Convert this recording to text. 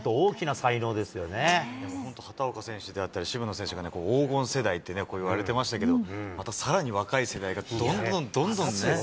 本当、畑岡選手であったり、渋野選手が黄金世代ってね、いわれてましたけど、またさらに若い世代が、どんどんどんどんね。